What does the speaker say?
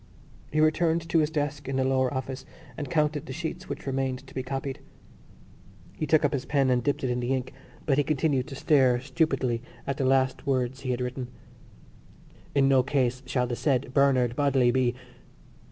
He returned to his desk in the lower office and counted the sheets which remained to be copied. He took up his pen and dipped it in the ink but he continued to stare stupidly at the last words he had written: _In no case shall the said Bernard Bodley be....